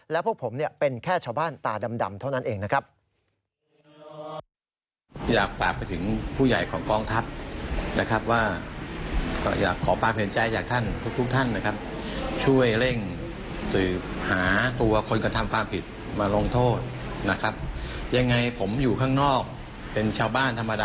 และพวกผมเป็นแค่ชาวบ้านตาดำเท่านั้นเองนะครับ